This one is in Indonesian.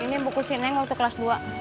ini buku sineng waktu kelas dua